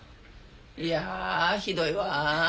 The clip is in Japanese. いやひどいわ。